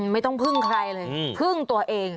ไม่ต้องพึ่งใครเลยพึ่งตัวเอง